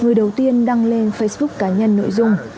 người đầu tiên đăng lên facebook cá nhân nội dung